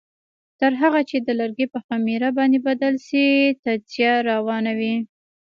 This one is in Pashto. تر هغه چې د لرګي په خمېره بدل شي تجزیه روانه وي.